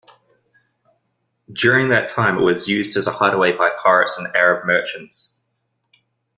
During that time it was used as a hideaway by pirates and Arab merchants.